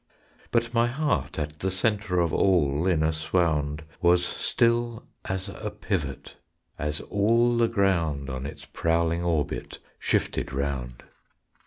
But my heart at the centre Of all, in a swound Was still as a pivot, As all the ground On its prowling orbit Shifted round.